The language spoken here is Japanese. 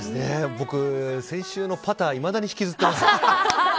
僕、先週のパターいまだに引きずってますよ！